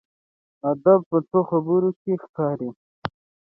ادب په خبرو کې ښکاري.